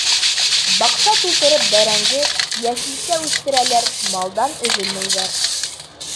Баҡса тултырып бәрәңге, йәшелсә үҫтерәләр, малдан өҙөлмәйҙәр.